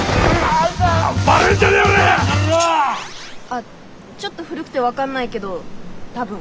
あっちょっと古くて分かんないけど多分。